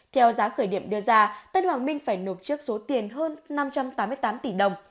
theo giá khởi điểm đưa ra tân hoàng minh phải nộp trước số tiền hơn năm trăm tám mươi tám tỷ đồng